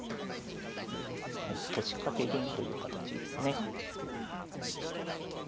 腰掛け銀という形ですね。